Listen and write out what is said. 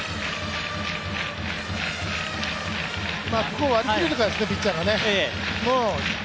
ここは割り切れるかですね、ピッチャーがね。